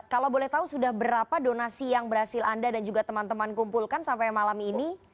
kalau boleh tahu sudah berapa donasi yang berhasil anda dan juga teman teman kumpulkan sampai malam ini